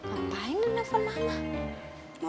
apa yang dia nelfon mama